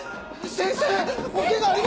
先生！